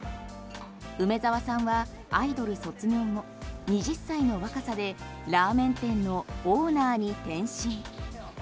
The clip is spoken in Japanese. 梅澤さんはアイドル卒業後２０歳の若さでラーメン店のオーナーに転身。